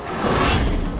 coba kamu pakai penyakit